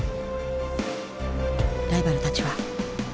ライバルたちは。